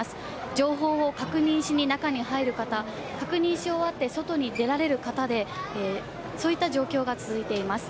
情報を確認しに中に入る方、確認し終わって外に出られる方で、そういった状況が続いています。